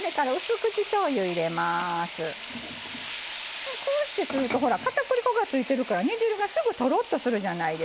じゃあここにこうしてするとほら片栗粉がついてるから煮汁がすぐとろっとするじゃないですか。